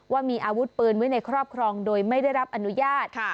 ว่ามีอาวุธปืนไว้ในครอบครองโดยไม่ได้รับอนุญาต